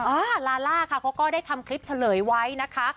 อ่าลาล่าค่ะเขาก็ได้ทำคลิปเฉลยไว้นะคะ